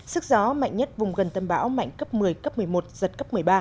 sức gió mạnh nhất vùng gần tâm bão mạnh cấp một mươi cấp một mươi một giật cấp một mươi ba